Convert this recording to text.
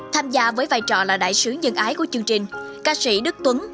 tham gia với vai trò là đại sứ nhân ái của chương trình ca sĩ đức tuấn